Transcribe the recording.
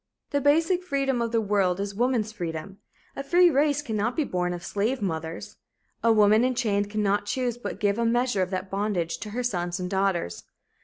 The basic freedom of the world is woman's freedom. A free race cannot be born of slave mothers. A woman enchained cannot choose but give a measure of that bondage to her sons and daughters.